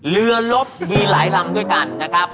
เรือลบมีหลายลำด้วยกันนะครับ